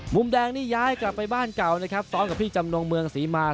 มุมแดงนี่ย้ายกลับไปบ้านเก่านะครับซ้อมกับพี่จำนงเมืองศรีมา